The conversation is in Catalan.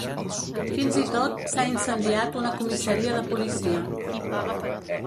Fins i tot, s’ha incendiat una comissaria de policia.